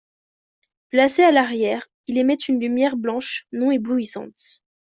Placé à l'arrière, il émet une lumière blanche non éblouissante.